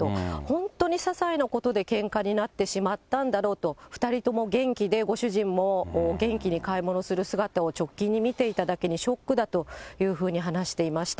本当にささいなことでけんかになってしまったんだろうと、２人とも元気で、ご主人も元気に買い物する姿を直近に見ていただけに、ショックだというふうに話していました。